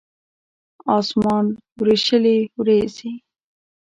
اسمان وریشلې وریځې